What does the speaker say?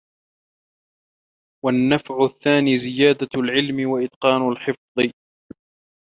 وَالنَّفْعُ الثَّانِي زِيَادَةُ الْعِلْمِ وَإِتْقَانُ الْحِفْظِ